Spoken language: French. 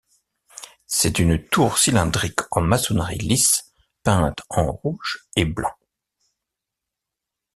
C'est une tour cylindrique en maçonnerie lisse, peinte en rouge et blanc.